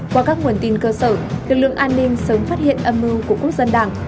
qua các nguồn tin cơ sở lực lượng an ninh sớm phát hiện âm mưu của quốc dân đảng